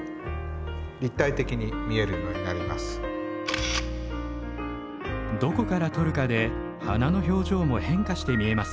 ポイントはどこから撮るかで花の表情も変化して見えますね。